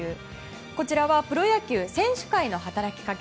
こちらはプロ野球選手会の働きかけ